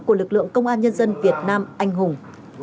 của lực lượng công an nhân dân việt nam anh hùng